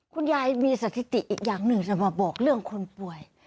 คุณยายมีสถิติอีกอย่างหนึ่งจะมาบอกเรื่องคนป่วย